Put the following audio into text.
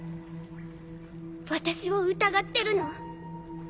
私を疑ってるの？